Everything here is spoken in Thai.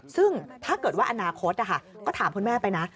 ซึ่งถ้าเกิดว่าอนาคตก็ถามคุณแม่ไปนะ